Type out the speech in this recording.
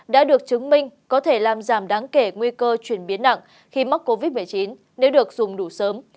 đã được chứng minh có thể làm giảm đáng kể nguy cơ chuyển biến nặng khi mắc covid một mươi chín nếu được dùng đủ sớm